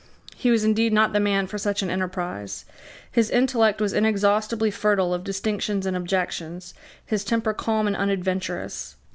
He was indeed not the man for such an enterprise. His intellect was inexhaustibly fertile of distinctions and objections; his temper calm and unadventurous.